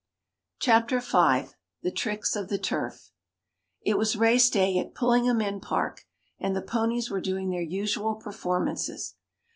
Chapter V. THE TRICKS OF THE TURF It was race day at Pulling'em Park, and the ponies were doing their usual performances.